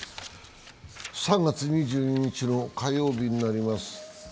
３月２２日の火曜日になります。